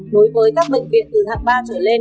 đối với các bệnh viện từ hạng ba trở lên